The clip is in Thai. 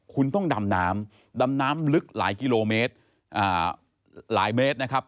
คุณต้องดำน้ำดำน้ำลึกหลายกิโลเมตรหลายเมตรนะครับ